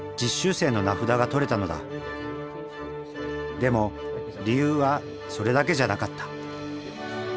でも理由はそれだけじゃなかった。